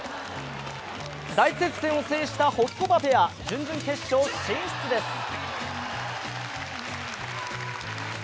大接戦を制したホキコバペア、準々決勝進出です。